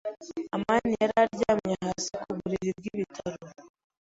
amani yari aryamye hasi ku buriri bw'ibitaro.